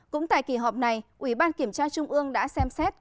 cũng tại kỳ họp này ủy ban kiểm tra trung ương đã xem xét